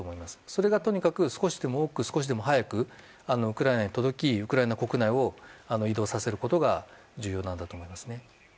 それがとにかく少しでも多く、少しでも早くウクライナに届きウクライナ国内を移動させることが重要だと思います。